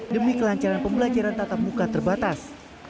demi kelancaran pembelajaran tatap muka terbatas